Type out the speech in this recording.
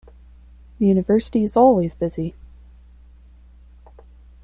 The university is always busy.